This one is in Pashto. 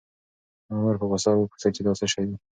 مامور په غوسه وپوښتل چې دا څه شی دی؟